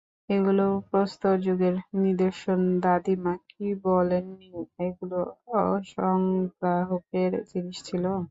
এগুলো প্রস্তরযুগের নিদর্শন দাদিমা কি বলেননি এগুলো সংগ্রাহকের জিনিস ছিল?